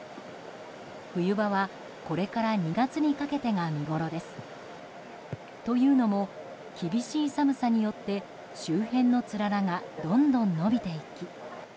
冬場は、これから２月にかけてが見ごろです。というのも、厳しい寒さによって周辺のつららがどんどん伸びていき。